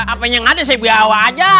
apanya ga ada saya bawa aja